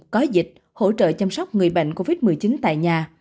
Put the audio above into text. có dịch hỗ trợ chăm sóc người bệnh covid một mươi chín tại nhà